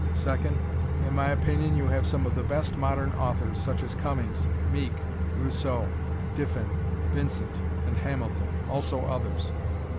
Second, in my opinion you have some of the best modern authors, such as Cummings, Meek, Rousseau, Diffin, Vincent and Hamilton. Also others.